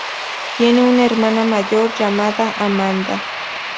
Tiene una hermana mayor llamada, Amanda.